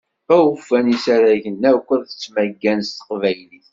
Awufan isaragen akk ad ttmaggan s teqbaylit.